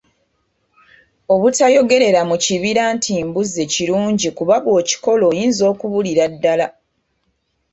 Obutayogerera mu kibira nti mbuzze kirungi kuba bw'okikola oyinza okubulira ddala.